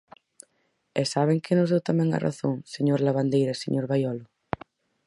¿E saben quen nos deu tamén a razón, señor Lavandeira e señor Baiolo?